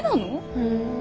うん。